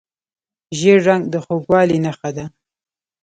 ژیړ رنګ د خوږوالي نښه ده.